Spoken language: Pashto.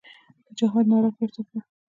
د جهاد ناره پورته کړه.